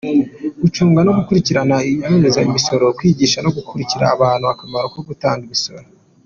Gucunga no gukurikirana abanyereza imisoro, kwigisha no gukangurira abantu akamaro ko gutanga imisoro.